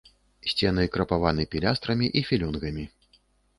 Сцены крапаваны пілястрамі і філёнгамі.